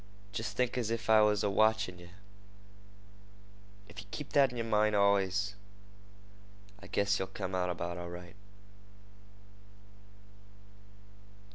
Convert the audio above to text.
Jest think as if I was a watchin' yeh. If yeh keep that in yer mind allus, I guess yeh'll come out about right.